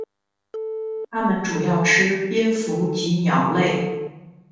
它们主要吃蝙蝠及鸟类。